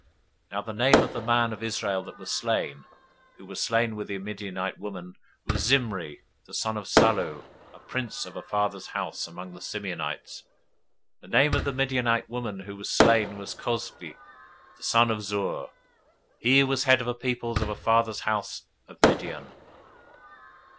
025:014 Now the name of the man of Israel that was slain, who was slain with the Midianite woman, was Zimri, the son of Salu, a prince of a fathers' house among the Simeonites. 025:015 The name of the Midianite woman who was slain was Cozbi, the daughter of Zur; he was head of the people of a fathers' house in Midian.